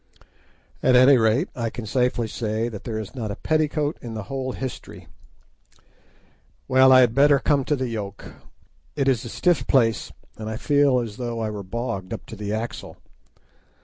At any rate, I can safely say that there is not a petticoat in the whole history. Well, I had better come to the yoke. It is a stiff place, and I feel as though I were bogged up to the axle.